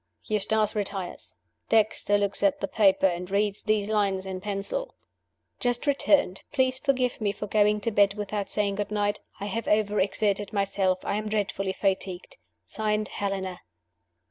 Eustace retires. Dexter looks at the paper, and reads these lines in pencil: 'Just returned. Please forgive me for going to bed without saying good night. I have overexerted myself; I am dreadfully fatigued. (Signed) Helena.